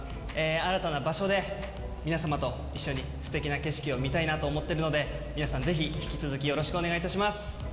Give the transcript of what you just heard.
新たな場所で皆様と一緒にすてきな景色を見たいなと思っているので、皆さん、ぜひ引き続きよろしくお願いいたします。